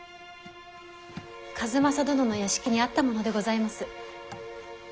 数正殿の屋敷にあったものでございます。